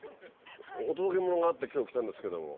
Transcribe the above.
お届け物があって今日来たんですけども。